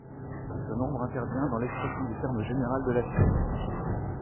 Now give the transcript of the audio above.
Ce nombre intervient dans l'expression du terme général de la suite.